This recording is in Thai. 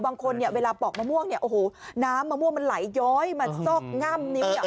บางคนเวลาปอกมะม่วงน้ำมะม่วงมันไหลย้อยมันซอกง่ำ